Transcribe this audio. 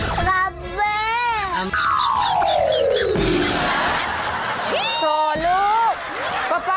โอ้โฮลูกป๊าป๊าเก่าไปเหรอลูก